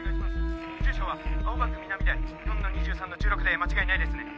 住所は青葉区南台４の２３の１６で間違いないですね？